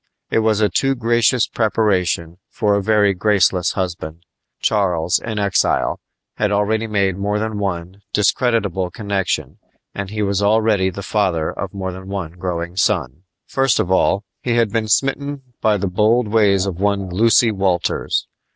It was a too gracious preparation for a very graceless husband. Charles, in exile, had already made more than one discreditable connection and he was already the father of more than one growing son. First of all, he had been smitten by the bold ways of one Lucy Walters.